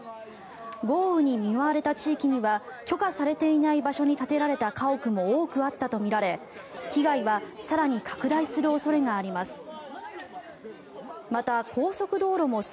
豪雨に見舞われた地域には許可されていない場所に建てられた家屋も多くあったとみられ、被害は更に拡大する恐れがあります。